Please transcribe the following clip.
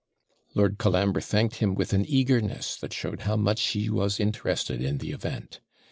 Lord Colambre thanked him with an eagerness that showed how much he was interested in the event.